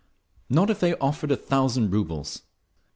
Not if they offered a thousand rubles!